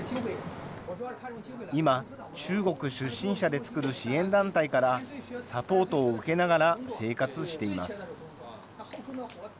今、中国出身者で作る支援団体から、サポートを受けながら生活しています。